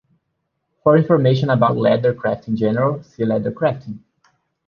For information about leather craft in general, see Leather crafting.